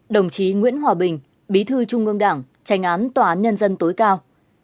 hai mươi một đồng chí nguyễn hòa bình bí thư trung ương đảng tránh án tòa án nhân dân tối cao